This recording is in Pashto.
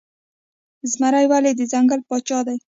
زمری ولې د ځنګل پاچا دی؟